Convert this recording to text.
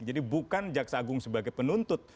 jadi bukan jaksa agung sebagai penuntut